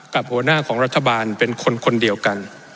หัวหน้าของรัฐบาลเป็นคนคนเดียวกัน